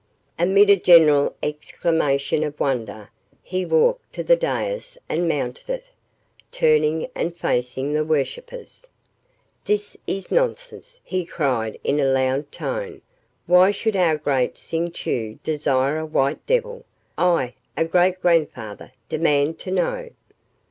Amid a general exclamation of wonder, he walked to the dais and mounted it, turning and facing the worshippers. "This is nonsense," he cried in a loud tone. "Why should our great Ksing Chau desire a white devil? I, a great grandfather, demand to know."